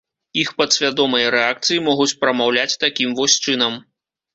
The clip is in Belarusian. Іх падсвядомыя рэакцыі могуць прамаўляць такім вось чынам.